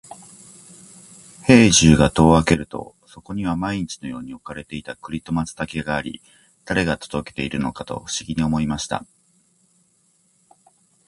兵十が戸を開けると、そこには毎日のように置かれていた栗と松茸があり、誰が届けているのかと不思議に思いました。